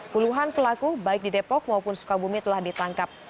puluhan pelaku baik di depok maupun sukabumi telah ditangkap